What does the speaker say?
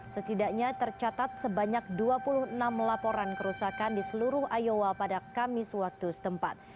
setidaknya tercatat sebanyak dua puluh enam laporan kerusakan di seluruh iowa pada kamis waktu setempat